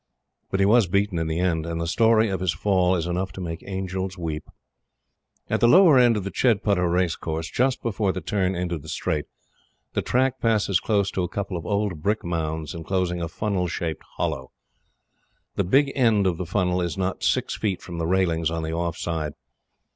But he was beaten in the end; and the story of his fall is enough to make angels weep. At the lower end of the Chedputter racecourse, just before the turn into the straight, the track passes close to a couple of old brick mounds enclosing a funnel shaped hollow. The big end of the funnel is not six feet from the railings on the off side.